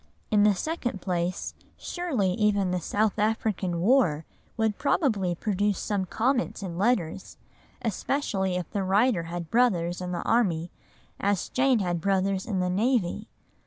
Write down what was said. In the second place, surely even the South African War would probably produce some comment in letters, especially if the writer had brothers in the army as Jane had brothers in the navy.